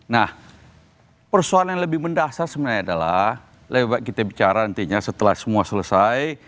nah persoalan yang lebih mendasar sebenarnya adalah lebih baik kita bicara nantinya setelah semua selesai